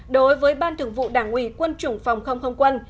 đối với ban thường vụ đảng ủy quân chủng phòng không không quân